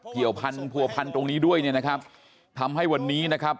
เกี่ยวพันธัวพันธุ์ตรงนี้ด้วยเนี่ยนะครับทำให้วันนี้นะครับ